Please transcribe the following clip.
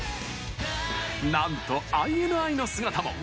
なんと、ＩＮＩの姿も！